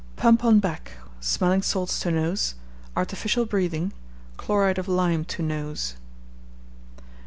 Pump on back, Smelling Salts to nose, Prussic Acid................... Artificial Breathing, Chloride of Lime to nose.